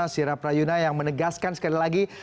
sira prayuna yang menegaskan sekali lagi